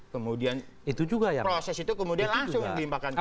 kemudian proses itu kemudian langsung diimpakkan ke kpk